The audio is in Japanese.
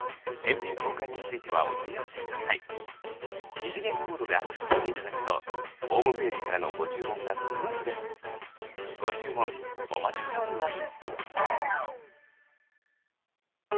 二次元コードでアクセスしていただくとホームページからのご注文がスムーズですご注文お待ちしております